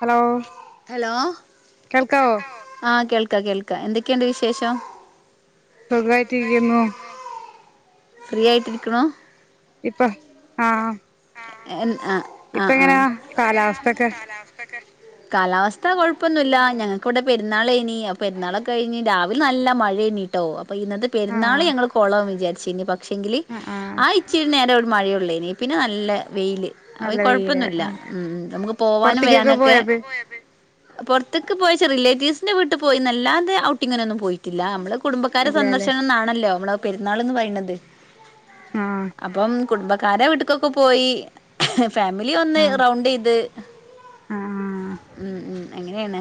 Hello hello കേൾക്കാവൊ പ്പ കേൾക്ക എന്തൊക്കെയുണ്ട് വിശേഷം സുഖായിട്ടിരിക്കുന്നു ഫ്രീ ആയിട്ടിരിക്കണോ ഇപ്പൊ ആഹ് ഹ എൻ ആഹ് ഇപ്പ ആഹ് എങ്ങനെയ ആഹ് കാലാവസ്ഥൊക്കെ കാലാവസ്ഥ കൊഴപ്പൊന്നൂല്ല ഞങ്ങൾക്കിവിടെ പെരുന്നാള് ഇനി അപ്പൊ പെരുന്നാളൊക്കെ കഴിഞ്ഞ് രാവിലെ നല്ല മഴ ഏനീട്ടോ അപ്പൊ ഇന്നത്തെ പെരുന്നാള് ആഹ് ഞങ്ങള് കൊളാവും വിചാരിച്ചിനി പ പക്ഷെങ്കില് ആഹ് ആഹ് ആ ഇച്ചിരി നേരെ ഒരു മഴയുള്ളേനി പിന്നെ നല്ല വെയില് അവന് നല്ല വെയില് കൊഴപ്പൊന്നില്ല ആഹ് ഉം നമുക്ക് പോവാനും പൊറത്തേക്കൊക്കെ വരാനൊക്കെ പോയപ്പ പൊറത്തേക്ക് പോയ്ച്ച റിലേറ്റീവ്സ് ന്റെ വീട്ട് പോയിനല്ലാതെ ഔട്ടിങ്ങിനൊന്നും പോയിട്ടില്ല നമ്മള് കുടുംബക്കാരെ ഇല്ലല്ലേ സന്ദർശനന്നാണല്ലോ നമ്മള് പെരുന്നാൾന്ന് പറീണത് ആ കുടുംബക്കാരെ വീട്ട്ക്കൊക്കെ പോയി അഹ് ഫാമിലി വന്ന് ആഹ് റൗണ്ടെയ്ത് ഹ ആഹ് ഉം ഉം അങ്ങനെയാണ്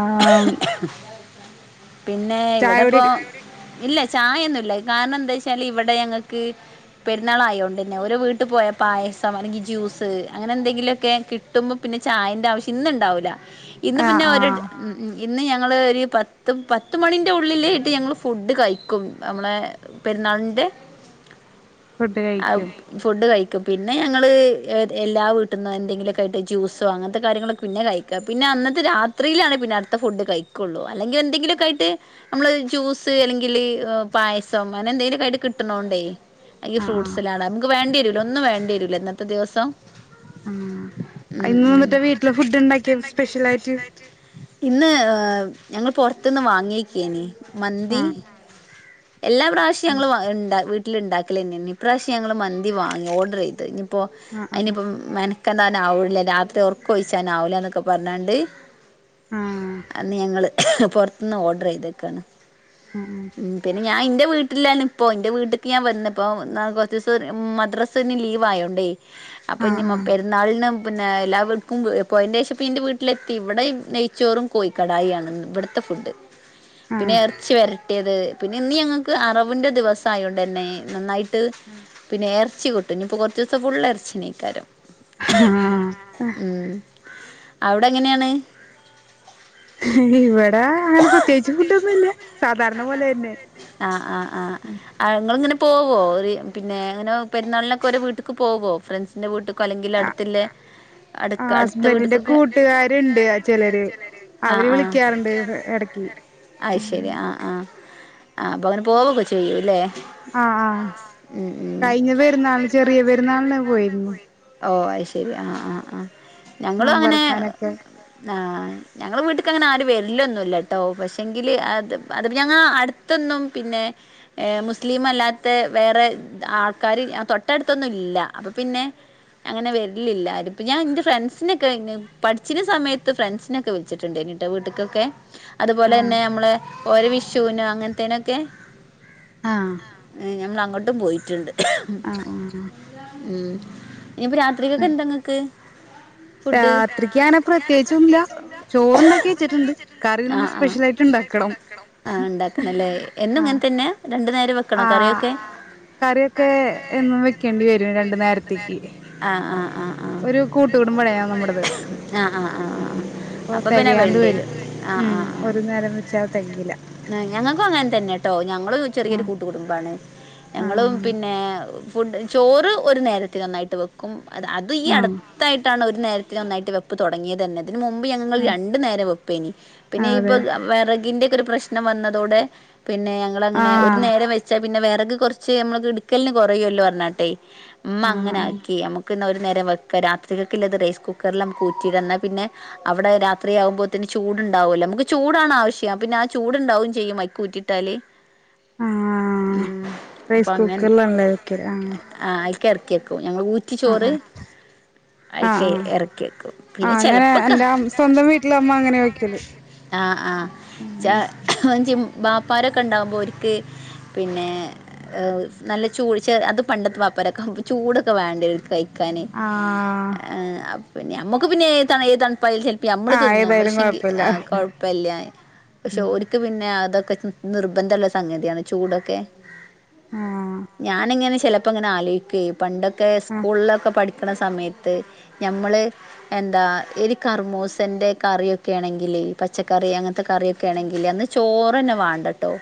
ആം പിന്നെ ഇവിടെ ഇപ്പൊ ഇല്ല ചായ ഒന്നില്ല കാരണം എന്താ വെച്ചാല് ഇവിടെ ഞങ്ങൾക്ക് പെരുന്നാളായോണ്ടന്നെ ഓരോ വീട്ടിൽ പോയ പായസം അല്ലെങ്കിൽ ജ്യൂസ് അങ്ങനെ എന്തെങ്കിലുമൊക്കെ കിട്ടുമ്പ പിന്നെ ചായൻ്റെ ആവശ്യം ഇന്നുണ്ടാവൂല്ല ഇന്ന് ആഹ് പിന്നെ ഒര ആഹ് ഇന്ന് ഞങ്ങള് ഒരു പത്ത് പത്ത മണിന്റെ ഉള്ളിലേ ഇട്ട് ഞങ്ങ ഫുഡ് കഴിക്കും നമ്മളെ പെരുന്നാളിന്റെ ഫുഡ് ആ കഴിക്കും ഫുഡ് കഴി പിന്നെ ഞങ്ങൾ എല്ലാ വീട്ടിൽ നിന്നും എന്തെങ്കിലുമൊക്കെ ആയിട്ട് ജ്യൂസോ അങ്ങനത്തെ കാര്യങ്ങളൊക്കെ പിന്നെ കഴിക്കുക പിന്നെ അന്നത്തെ രാത്രി ഇത്രയിലാണ് പിന്നെ അടുത്ത ഫുഡ് കഴിക്കുള്ളൂ അല്ലെങ്കിൽ എന്തെങ്കിലുമൊക്കെ ആയിട്ട് നമ്മള് ജ്യൂസ് അല്ലെങ്കിൽ പായസം അങ്ങനെ എന്തെങ്കിലുമൊക്കെ ആയിട്ട് കിട്ടണോണ്ടേ ഈ ആഹ് ഫ്രൂട്ട് സലാഡ് നമുക്ക് വേണ്ടി ഒന്നും വേണ്ടി വരുല്ല ഇന്നത്തെ ദിവസം ആ ഉം ഇന്ന് ഉം നിന്നിട്ട് വീട്ടില് ഫുഡ് ഇണ്ടാക്കിയ സ്പെഷ്യൽ ആയിട്ട് ഇന്ന് ഞങ്ങിപ്പോ പുറത്ത നിന്ന് വാങ്ങിയേക്കന മന്തി ആഹ് എല്ലാ പ്രാവശ്യം ഞങ്ങൾ വീട്ടില് ഉണ്ട ഇണ്ടാക്കില്ല തന്നെ ഇപ്രാവശ്യം ഞങ്ങള് മന്തി വാങ്ങി ഓർഡർ ചെയ്ത് ഇപ്പോൾ ആഹ് ആഹ് അതിനിപ്പോ മാ എന്തായലും ആവില്ല രാത്രി ഉറക്കോഴിച്ചാന ആാവല എന്നൊക്കെ പറഞ്ഞണ്ട് ആഹ് അന്ന് ഞങ്ങള് പുറത്തുനിന്ന് ഓർഡർ ചെയ്തക്കാണ് ആഹ് പിന്നെ ഞാൻ ഇന്റെ വീട്ട്ലാണ്പ്പൊ ഇന്റെ വീട്ട്ക്ക് ഞാൻ വന്ന്പ്പോ ന്നാ കൊർച്ചീസൊര് മദ്രസിന് ലീവായതോണ്ടെ അപ്പൊ ഞ്മ്മ ആഹ് പെരുന്നാൾന് പിന്നെ എല്ലാവർക്കും പോയന്റെഷം പ്പം ഇന്റെ വീട്ടിലെത്തി വടെ നെയ്ച്ചോറും കോഴിക്കടായാണന്ന് വട്ത്തെ ഫുഡ് പിന്നെ ആഹ് എർച്ചി വര് ട്ട്യത് പിന്നെ ഇന്ന് ഞങ്ങക്ക് അറവിൻ്റെ ദിവസായോണ്ടന്നെ നന്നായ് ട്ട് പിന്നെ ച്ചി ക് ട്ടും ഇഞ്പ്പ കൊർച്ചൂസം ഫുള്ളും എർച്ചന്യയ്ക്കാരം ആഹ അവിടെ എങ്ങനെയാണ് ഇവിടെ അങ്ങനെ പ്രത്യേകിച്ച് ഫുഡോന്നുല്ല സാധാരണ പോലെ തന്നെ ആഹ് ആഹ് ആഹ് ആഹ് ഇങ്ങളിങ്ങനെ പോവോ പിന്നെ അങ്ങനെ പെരുന്നാൾനൊക്കെ ഓരോ വീട്ട്ക്ക് പോകോ ഫ്രണ്ട്സിൻ്റെ വീട്ട്ക് ആ ആ അടുത്ത ഹസ്ബൻറിന്റെ വീട്ട്ക്കൊക്കെ കൂട്ടുകാര്ണ്ട് ചെലര് ര് അവര് വിളിക്കാറ്ണ്ട് എടക്കി ആ അത് ശരി ആഹ് ആഹ് ആഹ് അപ്പൊങ്ങനെ പോവൊക്കെ ചെയ്യൂ ല്ലേ ആഹ് ഉം ഉം കഴിഞ്ഞ പെരുന്നാളിന് ചെറിയ പെരുന്നാളിന് പോയിരുന്നു ഓ അയ് ശ ശരി ആ ആ ആ ഞങ്ങളും അങ്ങനെ നോമ്പറക്കാനൊക്കെ ആ വീട്ട്ക്ക്ങ്ങനെ ആര് വരില്ലൊന്നുല്ലട്ടോ പക്ഷെ എങ്കില് അത് [unintelligible] ഞങ്ങളെ അടുത്തൊന്നും പിന്നെ ഏ മുസ്ലീം അല്ലാത്ത വേറെ ആൾക്കാര് തൊട്ടടുത്തൊന്നും ഇല്ല അപ്പ പിന്നെ അങ്ങനെ വരിലില്ല അത്പ്പ ഞാൻ എന്റെ ഫ്രണ്ട്സിനൊക്കെ പഠിച്ച്ണ സമയത്ത് ഫ്രണ്ട്സിനൊക്കെ ക്കെ വിളിച്ചിട്ടുണ്ടായിരുന്നു ട്ടോ വീട്ട്ക്കൊക്കെ അതുപോലെ ആഹ് ന്നെ നമ്മളെ ഓരെ വിഷ് ഷൂന് അങ്ങനത്തേനൊക്കെ ഞങ്ങളങ്ങ [unintelligible] പോയിട്ടുണ്ട് ആ ആ ഇനിപ്പ രാത്രിക്കക്കെന്താങ്ങക്ക് രാത്രിക്കങ്ങനെ പ്രത്യേകിച്ചൊന്ന്ല്യാ ചോറുണ്ടാക്കി വെച്ചിട്ടുണ്ട് കറി നമ്മു സ്പെഷ്യൽ ആയിട്ട് ഇണ്ടാക്കണം ആഹ് ഇണ്ടാക്കണല്ലേ എന്നും ആ ഇങ്ങനെ തന്നെ രണ്ടു നേരം വെക്കണോ ആ കറിയൊക്കെ കറിയൊക്കെ എന്നും വെക്കേണ്ടി വരും രണ്ടു നേരത്തേക്ക് ആഹ് ആഹ് ആഹ് ആഹ് ഒരു കൂട്ടുകുടുംബ [unintelligible] നമ്മുടേത് അപ്പൊ അപ്പ പിന്നെ തികയാണ്ട് വരും വേണ്ടിവെരും ആ ആ ഉം ആ ഒരു നേരം വെച്ചാ തികയില്ല ഞങ്ങൾക്കും അങ്ങനെ തന്നെട്ടോ ഞങ്ങളും ആ ചെറിയൊരു കൂട്ടു കുടുംബാണ് ആ ഞങ്ങളും പിന്നെ ഫുഡ് ചോറ് ഒരു നേരത്ത് ഒന്നായിട്ട് വെക്കും അത് അത് ഈ ആ അടുത്തായിട്ടാണ് ഒരു നേരത്തിന് ഒന്നായിട്ട് വെപ്പ് തൊടങ്ങിയേതെന്നെ മുമ്പ് ഞങ്ങൾ ആ രണ്ടു നേരം വെപ്പേനി പിന്നെ ഇപ്പ അതെ വെറകിന്റെ ഒരു പ്രശ്നം വന്നതോടെ പിന്നെ ഞങ്ങള് ആ അങ്ങനെ ഒരു നേരം വെച്ചാ പിന്നെ വെറക് കൊറച്ച് നമ്മക്ക് ഇടുക്കലിന് കുറയുല്ലോ പറഞ്ഞട്ട് ഉമ്മ ആ അങ്ങനെ ആ ആക്കി നമുക്ക് ക്ക്ന്ന ഒരു നേരം വെക്ക രാത്രിക്കക്ക്ള്ളത് റൈസ് കുക്കറിൽ നമ്മുക്ക് ഊറ്റിട ഇന്നാ പിന്നെ അവിടെ രാത്രിയാകുമ്പോത്തിന് ചൂട്ണ്ടാവല്ലോ നമുക്ക് ചൂടാണ് ആവശ്യം പിന്നെ ആ ചൂടുണ്ടാവും ചെയ്യും അയ്ക്കൂറ്റിട്ടാല് ആ അപ്പോൾ റൈസ് അങ്ങനെ കുക്കറിലാണ്ലെ വെക്കല് ആ കേക്കുവൻ ഞങ്ങൾ ഊറ്റി ആ ചോറ് ആ ആ അയിക്ക് ആ എറക്കി വെക്കും ആ പിന്നെ ചെല അങ്ങനെ എന്റെ സ്വന്തം വീട്ടിലമ്മ അങ്ങനെ വെയ്ക്കല് വാപ്പാരൊക്കെ ഉണ്ടാകുമ്പോൾ ഓര്ക്ക് പിന്നെ നല്ല ചൂട് ചെ അത് പണ്ടത്തെ വാപ്പാരൊക്കാകുമ്പോ ചൂടൊക്കെ വേണ്ട കഴ ക്കാന് ആ ങ അ പിന്നെ നമ്മക്ക് പിന്നെ ഏ [unintelligible] [unintelligible] ചെൽപ്പം നമ്മള് ആ തിന്നും ഏതായാലും പക്ഷേങ്കി കൊഴപ്പില്ല ആ കൊഴപ്പല്ല്യാ പക്ഷെ ഓര്ക്ക് പിന്നെ അത് നിർബന്ധള്ള സംഗതിയാണ് ചൂടൊക്കെ ആ ഞാനിങ്ങനെ ചി ചെലപ്പോങ്ങനെ ആലോയ്ക്കേ പണ്ടൊക്കെ ആ സ്കൂൾലൊക്കെ പടി ക്ക്ണ സമയത്ത് ഞമ്മള് എന്താ എടി കർമൂസന്റെ കറിയൊക്കെ ആണെങ്കിലെ പച്ചക്കറി അങ്ങൻ ത്തെ കറിയൊക്കെ ആണെങ്കിലെ അന്ന് ചോറന്നെ വാണ്ടട്ടോ.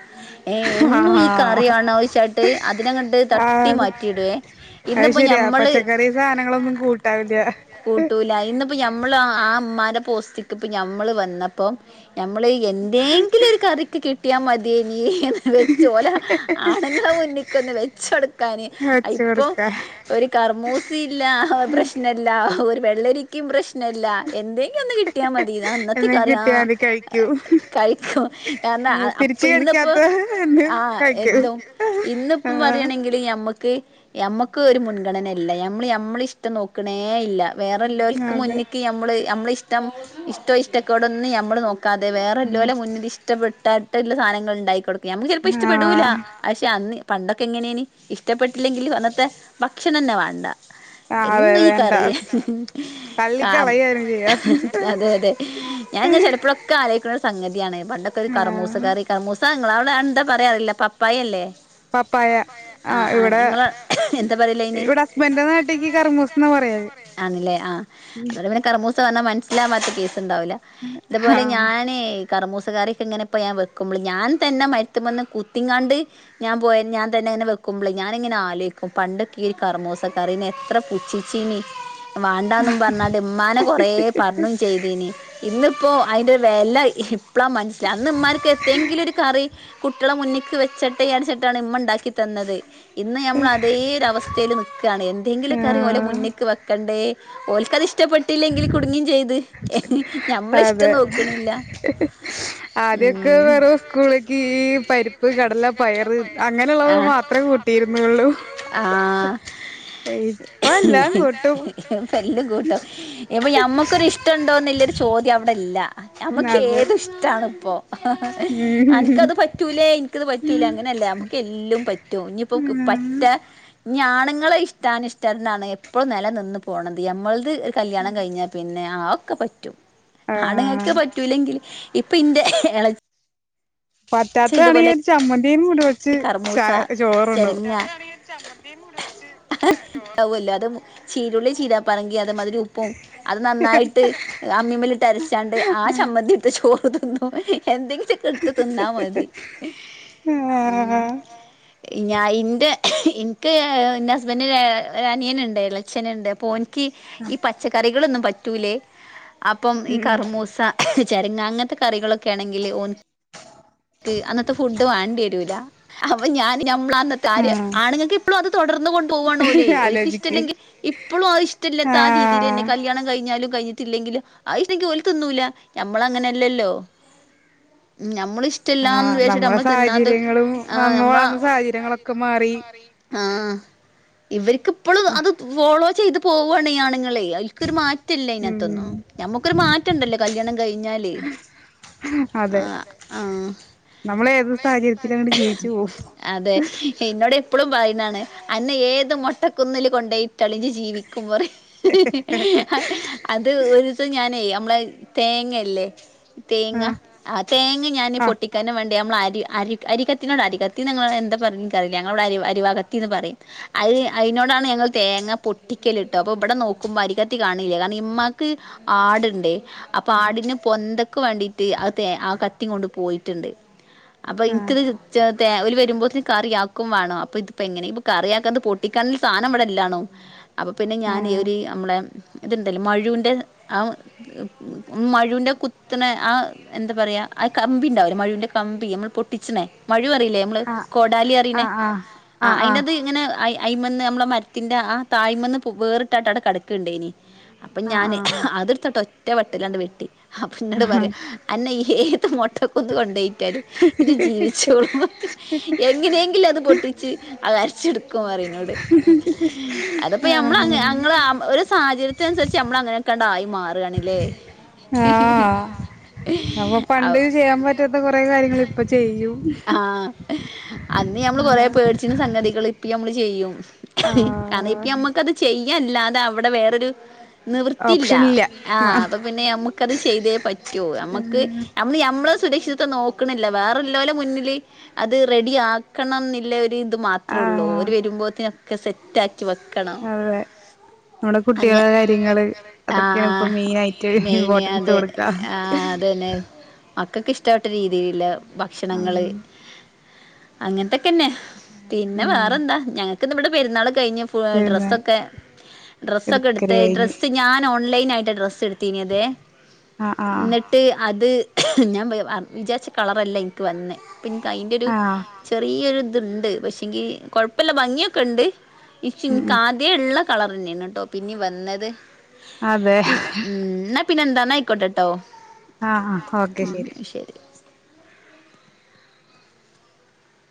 ഏ ആ എന്നും ഈ കറിയാണോയ്ച്ച്ട്ട് അതിനെങ്ങട്ട് ആ തട്ടി അത് മാറ്റിയിടോ അത് ഇന്ന്പ്പോ ശരിയാ ഞമ്മള് പച്ചക്കറി സാധനങ്ങളൊന്നും കൂട്ടാവില്ല കൂട്ടൂല ഇന്ന്പ്പോ ഞമ്മ ആഹ് ഇമ്മാന്റെ പോസ്റ്റ്ക്ക് ഇപ്പം ഞമ്മള് വന്നപ്പം ഞമ്മള് എന്തേങ്കിലോരു കറിക്ക് കി [unintelligible] വെച്ച് ഓല ആണുങ്ങളെ മുന്ന്ക്കൊന്ന് വെച്ച് കൊട്ക്കാന് വച്ച ഇപ്പം കൊടുക്ക ഒര് കർമൂസില്ല പ്രശ്നല്ല ഒര് വെള്ളരിക്കിം പ്രശ് [unintelligible] [unintelligible] ക്ക് എന്ന കിട്ടിയാ മതി കഴിക്കൂ തിരിച്ച് കടിക്കാത്ത എന്തും കഴിക്കും ആ നമ്മക്ക് ഒര് മുൻഗണനല്ല നമ്മള് നമ്മളെ ഇഷ്ടം നോക്ക്ണേ ഇല്ല വേറെല്ലോൽക്ക് അതെ മുന്ന് മ്മള് അമ്മളെ ഇഷ്ടം ഇഷ്ടം ഇഷ്ടക്കെടോന്നും നമ്മള് നോ ക്കാതെ വേറെല്ലോലെ മുന്നില് ഇഷ്ടം [unintelligible] സാധനങ്ങള് ഇണ്ടായി കൊടുക്ക് ഞമ്മക്ക് ചെലപ്പോ ആ ഇഷ്ട്ടപ്പെടൂല പക്ഷെ അന്ന് പണ്ടൊക്കെ എങ്ങനെയാനി ഇഷ്ടപ്പെട്ടില്ലെങ്കിൽ അന്നത്തെ ഭക്ഷണന്നെ വേണ്ട. ആഹ് അതെയത് വേണ്ട തള്ളി കാ അതെ അതെ ഞാനിങ്ങനെ ചെലപ്പളൊക്കെ ആലോയി [unintelligible] സംഗതിയാണ്ന്ന് പണ്ടൊക്കെ ഒരു ആ കറമൂസ കറി കർമൂസ ഇങ്ങളവിടെ അത് എന്താ പറയാറിയില്ല പപ്പായ അല്ലേ? പപ്പായ ആ ഇവിടെ എന്താ പറയല് അയിന് ഇവിടെ ഹസ്ബൻഡിന്റെ നാട്ടിക്ക് കറമൂസ്ന്നാ പറയാ അയിന്. അന്നേരം പിന്നെ കറമൂസ പറഞ്ഞാ മനസ്സ് [unintelligible] ണ്ടാവൂല്ല ഇതുപോലെ ആഹ് ഞാനെ കറമൂസ കറി ഇങ്ങനെപ്പോ ഞാൻ വെക്കുമ്പള് ഞാൻ തന്നെ മരത്ത്മെ ന്ന് കുത്തിങ്ങാണ്ട് ഞാൻ പോയ ഞാൻ തന്നെ ഇങ്ങനെ വെക്കുമ്പോള് ഞാനിങ്ങനെ ആലോചിക്കും പണ്ടൊക്കീ ഒരു കറമൂസ കറിന്നെ എത്ര പുച്ചിച്ചീനി. വാണ്ടാന്നും പറഞ്ഞ്. മ്മാനെ കൊറേ പറ്ഞ്ഞും ചെയ്തീന് ഇന്ന് ഇപ്പോ അയിന്റെ വില അപ്പളാ മനസ്സില അന്ന് ഉമ്മാർക്ക് എന്തെങ്കിലും ഒരു കറി കുട്ട്യളെ മുന്നിൽ ക്ക് വെച്ചിട്ട് യടിച്ചിട്ടാണ് ഇമ്മ ഉണ്ടാക്കി തന്നത്. ഇന്ന് ഞമ്മൾ അതേയൊര വസ്ഥയിൽ നിൽക്കാണ് എന്തെങ്കിലും കറി വോലെ ആഹ് മുന്നേക്ക് വെക്കണ്ടേ. ഓൽക്കതു ഇഷ് ഇഷ്ടപ്പെട്ടില്ലെങ്കിൽ കുടുങ്ങീ ചെയ്ത് ഞമ്മളെ അതെ ഇഷ്ടം നോക്കണില്ല ആദ്യൊക്കെ ഉം വെറും സ്കൂളിക്ക് ഈ പരിപ്പ് കടല പയറ് അങ്ങനുള്ളത് ആ മാത്രേ കൂട്ടിയിരുന്നുള്ളു ആ ഇപ്പ എല്ലാം കൂട്ടും ഇപ്പ ഞമ്മുക്കൊരു ഇഷ്ട ന്തോന്നല്ലൊന്നൊരു ചോദ്യം അവിടല്ല ഇല്ല ഞമ്മക്ക് അതെ ഏതും ഇഷ്ടാണ് ഇപ്പോ അനക്ക്ത് ഉം പറ്റൂലേ എനിക്കത് പറ്റൂല അങ്ങനെയല്ല നമുക്ക് എല്ലാം പറ്റും ഇനിയിപ്പോ പറ്റ ഞാണുങ്ങളെ ഇഷ്ടാനിഷ്ടനാണ് എപ്പോഴും നില നിന്നു പോകണത് ഞമ്മൾ ഒരു കല്യാണം കഴിഞ്ഞാ പിന്നെ ആ ഒ ഒക്കെ പറ്റും ആണുങ്ങക്ക് ആഹ് പറ്റൂല്ലെങ്കി ഇപ്പൊ ഇന്റെ എള പറ്റാത്തതാണെങ്കി ഒരു ചമ്മന്തി മൂടിവെ ച് ചാ കർമൂസ ചോറുണ്ടോ ആവല്ലോ അത് ചീരുള്ളി ചീര പറങ്കി അതു മാതിരി ഉപ്പും അത് നന്നായിട്ട് അമ്മിമ്മല്ലിട്ടരച്ചാണ്ട് ആ ചമ്മന്തിയെടുത്ത് ചോറ് [unintelligible] എന്തെങ്കിടുത്ത് തിന്നാ മതി ഉം ആഹ് ഞാൻ ഇൻ്റെ ഇൻക്ക് എൻ്റെ ഹസ്ബന്റിന്റനിയനുണ്ട് ലച്ഛനുണ്ട് ഓൻ ഈ പച്ചക്കറികളൊന്നും പറ്റൂലെ അപ്പം ഈ ഉം കറുമൂസ ചെരങ്ങ അങ്ങനത്തെ കറികളൊക്കെയാണെങ്കിൽ വോനിക്ക് അന്നത്തെ ഫുഡ് വേണ്ടിവ റ്റൂല്ല അപ്പൊ ഞാന് മ്മ്ളാന്നത്ത് ആര് ആഹ് ആണ്ങ്ങക്ക് ഇപ്പളും അത് തൊടർന്നു ആലോചിക്ക് ആഹ് കഴിഞ്ഞിട്ടില്ലെങ്കില് അയില്ലെങ്കി ഓൽ തിന്നുല്ല. നമ്മളങ്ങനെ അല്ലല്ലോ നമ്മള് ഇഷ്ടല്ലാന്ന് വിജാരിച്ചിട്ട് നമ്മള് തിന്നാതെ ങ്ങളും ആ നമ്മ നമ്മളാ വന്ന സാഹചര്യങ്ങളൊക്കെ മാറി. ഇവര് ക്ക് ഇപ്പളും അത് ഫോളോ ചെയ്ത് പോവാണ് ഈ ആണുങ്ങളെ ഓൽക്കൊരു മാറ്റല്ല അയി ഉം നത്തൊന്നും. നമ്മക്കൊരു മാറ്റണ്ടല്ലോ കല്യാണം കഴിഞ്ഞാല് അതെ ആഹ് ആഹ്. നമ്മൾ ഏത് സാഹചര്യത്തിലും അങ്ങട് ജീവിച്ചു പോവും അതെ ഇന്നോട് ഇപ്പ ളും പറിണാണ് അന്നെ ഏത് മൊട്ടകുന്നില് കൊണ്ടോയി ട്ടാലും ഇജ് ജീവിക്കും പറിം. അത് ഒരൂസം ഞാനെ നമ്മളെ തേങ്ങല്ലെ. തേങ്ങ ആഹ് ആ തേങ്ങ ഞാന് പൊട്ടിക്കാനും വേ നമ്മള് അരി അരി അരിക്കത്തിനോടാ അരികത്തി നിങ്ങളോട് ന്താ പറയല് ഇന്ക് അറീ ല്ല. ഞങ്ങളുടെ അ അരിവാ കത്തി എന്ന് പറിം അയി ആയിനോടാണ് ഞങ്ങള് തേങ്ങ പൊട്ടിക്കല് ട്ടോ. പ്പൊ ബടെ നോക്കുമ്പോ അരിക്കത്തി കാണില്ല. കാരണം ഇമ്മാക്ക് ആട് ണ്ടേ. അപ്പൊ ആഹ് ആടിന് പൊന്തക്ക് വേണ്ടിട്ട് അ തേ ആ ക റ്റിം കൊണ്ട് പോയിട്ടുണ്ട് അപ്പ ഇന്ക് ആഹ് ഇന്ക്ത് ചേർ ത്തെ ഓല് വരുമ്പോത്തിന് കറിയാക്കും വേണം അപ്പൊ ഇതിപ്പെങ്ങനെ ഇപ്പൊ കറിയാക്കാ ഇത്‌ പൊട്ടിക്കാനുള്ള സാനം ഇവിടെല്ലാണും അപ്പൊ പിന്നെ ഞാൻ ആഹ് ഒരീനമ്മളെ ഇത്ണ്ടല്ലോ മഴൂന്റെ ആ മഴൂന്റെ ആ കുത്ത്ണ ആ എന്ത പറയാ ആ കമ്പി ഇണ്ടാവുലെ മഴൂന്റെ കമ്പി നമ്മൾ പൊട്ടി ട്ടിച്ച്ണെമഴു ഴു പറീലെ നമ്മൾ ആഹ് കൊടാലിയറീണെ ആഹ് ആഹ് ആഹ് അയിന്റേത് ഇങ്ങനെ ആയ അയിമന്ന് നമ്മളെ മരത്തിന്റെ ആ താഴിമന്ന് പു ആ വേർട്ടാണ്ട് അവിടെ കടക്ക്ണ്ടേനി അപ്പം ആഹ് ഞാന് ആഹ് അത്ട്ത്തിട്ട് ഒറ്റ വെട്ടിലാണ്ട് വെട്ടി അപ്പം ഇന്നോട് പറയാ അന്നെ ഈ ഏത് മൊട്ടകുന്ന് കൊണ്ടോയിട്ടാലും ജ്ജ് ജീവിച്ചോളും പറിം എങ്ങനെങ്കിലുഅത് പൊട്ടിച്ച് അഅ് അരച്ചട്ക്കും പറിം ഇന്നോട് അത്പ്പോ ആഹ് നമ്മളങ്ങ് ആഹ് ഞങ്ങളാം ഒരു സാഹചര്യത്തിനന്സരിച്ച് നമ്മളങ്ങനെ ക്കണ്ടായി മാറാണ് ലെ ആ അപ്പൊ പണ്ട് അത് ചെയ്യാൻ പറ്റാത്ത കൊറെ കാര്യങ്ങൾ ഇപ്പൊ ചെയ്യും ആ അന്ന് ഞമ്മള് കൊറെ ആഹ് പേടിച്ചിന് സംഗതികൾ ഇപ്പ നമ്മള് ചെയ്യും കണം ഇപ്പ ആഹ് അമ്മക്ക്ത് ചെയ് ല്ലാതെ അവിടെ വേറൊരു നിവിർത്തില്ല ഓപ്ഷൻ ഇല്ല ആ അപ്പൊ പിന്നെ നമ്മക്കത് ചെയ്തേ പറ്റോ നമ്മുക്ക് ആഹ് നമ്മള് നമ്മള സുരക്ഷിത നോക്കണില്ല വേറെരു ലോല മുന്നില് അത് റെഡി ആക്കണം എന്നില്ല ഇതു മാത്രേ ഉള്ളൂ ആഹ് ഓര് വരുമ്പോതീ സെറ്റക്ക് അതെ നമ്മടെ അങ്ങ കുട്ടികള കാര്യങ്ങള് ആ അതൊക്കെയാണ് ആ ഇപ്പൊ മെയിൻ ആയിട്ട് മെയിന് ഇമ്പോർട്ടൻസ് അത് കൊടുക്കാ മക്കൊക്ക് ഇഷ്ട രീതിയില ഭക്ഷണങ്ങള് ഉം അങ്ങനത്തെ പിന്നെ പിന്നെ ഉം വേറെന്താ ഞങ്ങ നമ്മുടെ പെരൂന്നാൾക്ക് കയിഞ്ഞപ്പോ പിന്നെ ഡ്രസ്സോക്കെ ഡ്രസ്സൊക്കെ എടുക്കല് എടുത്തേ കഴിഞ്ഞു ഡ്രസ് ഞാൻ ഓൺ ൺലൈൻനായിട്ട് ഡ്രസ് എടുത്തീനതേ ആഹ് ആഹ് എന്നിട്ട് അത് ഞാൻ [unintelligible] വിചാരിച്ചച്ച് കള ല്ല എനിക്ക് വന്നേ പിന്നെ അതിന്റെ ഒരു ആഹ് ചെറിയൊരു ഇത്ണ്ട് പക്ഷെ എങ്കി കുഴപ്പമില്ല ഭംഗിയൊക്കെ ഇണ്ട് ഇച്ചി ഉം ഉം കാതെ ഇള്ള കളർന്നെയാണ് കേട്ടോ പിന്നീ വന്നത് അതെ മ് ന്ന പിന്നെ എന്താന്നു ആയിക്കോട്ടെട്ടോ ആ ആഹ് ഓക്കെ ശരി